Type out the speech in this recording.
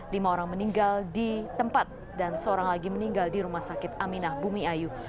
lima orang meninggal di tempat dan seorang lagi meninggal di rumah sakit aminah bumi ayu